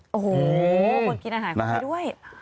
คนกินอาหารของเขาก็ได้ด้วย